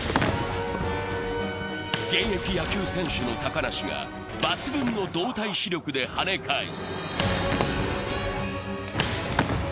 現役野球選手の高梨が抜群の動体視力で跳ね返す。